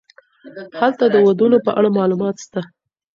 هلته د ودونو په اړه معلومات سته.